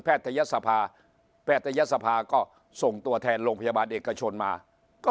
ทยศภาแพทยศภาก็ส่งตัวแทนโรงพยาบาลเอกชนมาก็